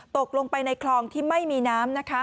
ตกลงไปในคลองที่ไม่มีน้ำ